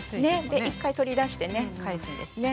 で一回取り出してね返すんですね。